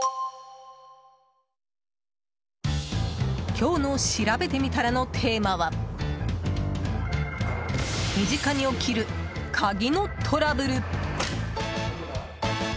今日のしらべてみたらのテーマは身近に起きる鍵のトラブル。